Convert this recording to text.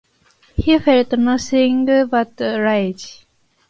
He felt nothing but rage.